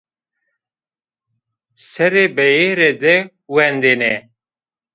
Serê beyêre de wendêne